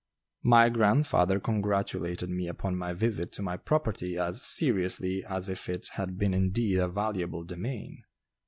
My grandfather congratulated me upon my visit to my property as seriously as if it had been indeed a valuable domain.